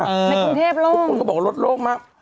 คุณเอกชายคุณกูเรื่องรถละทิศแล้วอ่ะ